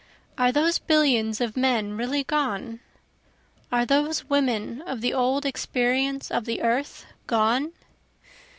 Are those billions of men really gone? Are those women of the old experience of the earth gone?